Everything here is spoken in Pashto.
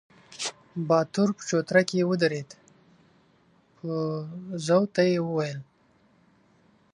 باتور په چوتره کې ودرېد، په زوټه يې وويل: